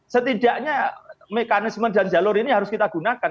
setidaknya mekanisme dan jalur ini harus kita gunakan